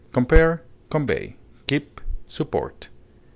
Compare CONVEY; KEEP; SUPPORT.